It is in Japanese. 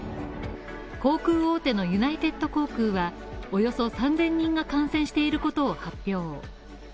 航空大手のユナイテッド航空は、およそ３０００人が感染していることを発表。